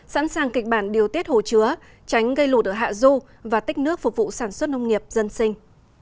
sẵn sàng kịch bản điều tiết hồ chứa tránh gây lụt ở hạ du và tích nước phục vụ sản xuất nông nghiệp dân sinh